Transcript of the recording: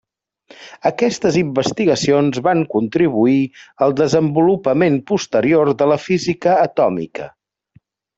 Aquestes investigacions van contribuir al desenvolupament posterior de la física atòmica.